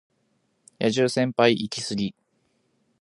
野獣先輩イキスギ